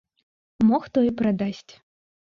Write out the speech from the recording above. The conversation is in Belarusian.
Мо хто і прадасць.